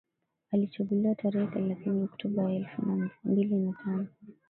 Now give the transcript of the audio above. Alichaguliwa tarehe thelathini Oktoba ya elfu mbili na tano